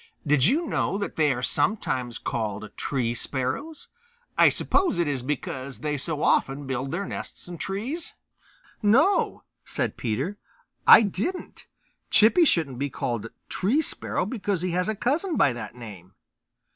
Did you know that they are sometimes called Tree Sparrows? I suppose it is because they so often build their nests in trees?" "No," said Peter, "I didn't. Chippy shouldn't be called Tree Sparrow, because he has a cousin by that name."